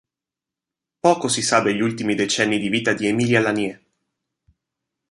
Poco si sa degli ultimi decenni di vita di Emilia Lanier.